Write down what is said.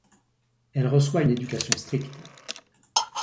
Elle reçoit une éducation stricte.